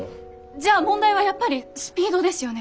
じゃあ問題はやっぱりスピードですよね。